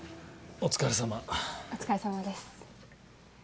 お疲れさまです。